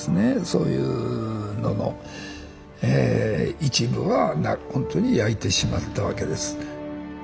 そういうのの一部は本当に焼いてしまったわけです。